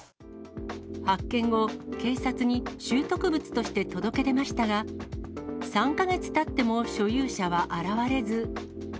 発見後、警察に拾得物として届け出ましたが、３か月たっても所有者は現れず。